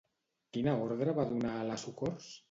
Quina ordre va donar a la Socors?